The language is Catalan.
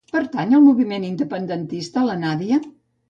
Pertany al moviment independentista la Nadya?